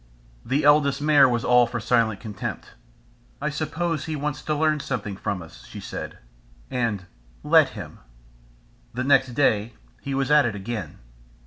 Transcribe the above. The Eldest Mare was all for silent contempt. "I suppose he wants to learn something from us," she said, and "Let him." The next day he was at it again.